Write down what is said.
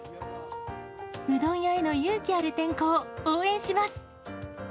うどん屋への勇気ある転向、応援します！